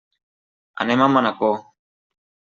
Anem a Manacor.